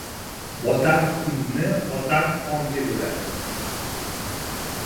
Botar kunni otar tongi bo‘ladi.